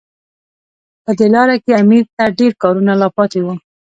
په دې لاره کې امیر ته ډېر کارونه لا پاتې وو.